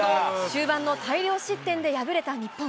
終盤の大量失点で敗れた日本。